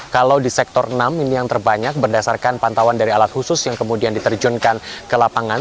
kalau di sektor enam ini yang terbanyak berdasarkan pantauan dari alat khusus yang kemudian diterjunkan ke lapangan